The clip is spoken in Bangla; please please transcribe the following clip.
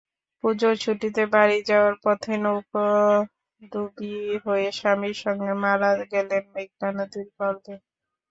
পুজোর ছুটিতে বাড়ি যাওয়ার পথে নৌকোডুবি হয়ে স্বামীর সঙ্গে মারা গেলেন মেঘনা নদীর গর্ভে।